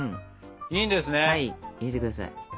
はい入れてください。